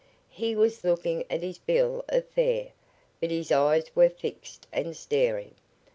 He was looking at his bill of fare, but his eyes were fixed and staring.